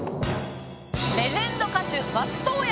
レジェンド歌手松任谷